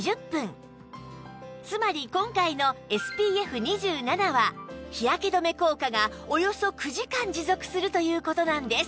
つまり今回の ＳＰＦ２７ は日焼け止め効果がおよそ９時間持続するという事なんです